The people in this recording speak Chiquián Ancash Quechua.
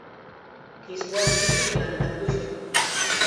Kiswarpita yantakushun.